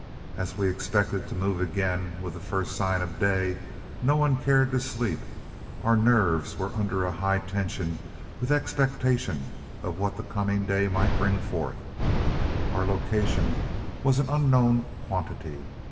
As we expected to move again with the first sign of day, no one cared to sleep; our nerves were under a high tension with expectation of what the coming day might bring forth. Our location was an unknown quantity.